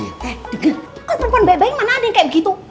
eh denger kan perempuan baik baik mana ada yang kayak begitu